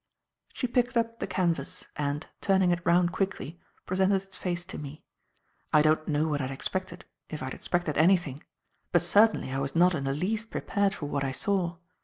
She picked up the canvas, and, turning it round quickly, presented its face to me. I don't know what I had expected if I had expected anything; but certainly I was not in the least prepared for what I saw.